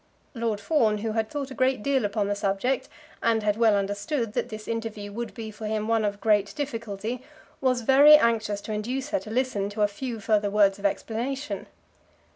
Lord Fawn, who had thought a great deal upon the subject, and had well understood that this interview would be for him one of great difficulty, was very anxious to induce her to listen to a few further words of explanation.